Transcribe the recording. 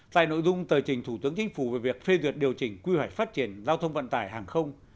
tại nội dung tờ trình thủ tướng chính phủ về việc phê duyệt điều chỉnh quy hoạch phát triển giao thông vận tải hàng không